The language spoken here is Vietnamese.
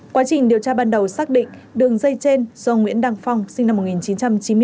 quá trình điều tra ban đầu xác định đường dây trên do nguyễn đăng phong sinh năm một nghìn chín trăm chín mươi bốn